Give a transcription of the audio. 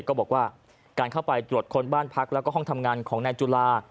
ก็บอกว่าการเข้าไปตรวจคนบ้านพักแล้วก็ห้องทำงานของนายจุฬา